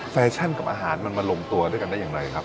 แฟชั่นกับอาหารมันมาลงตัวด้วยกันได้อย่างไรครับ